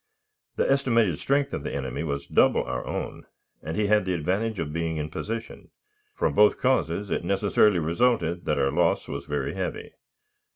The estimated strength of the enemy was double our own, and he had the advantage of being in position. From both causes it necessarily resulted that our loss was very heavy.